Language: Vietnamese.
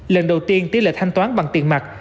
lần đầu tiên tiết lệch thanh toán bằng tiền mặt